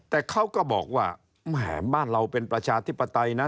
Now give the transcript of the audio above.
แต่เขาก็บอกว่าแหมบ้านเราเป็นประชาธิปไตยนะ